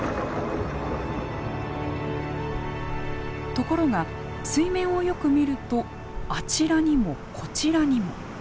ところが水面をよく見るとあちらにもこちらにも。